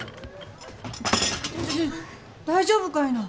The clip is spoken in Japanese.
大丈夫かいな。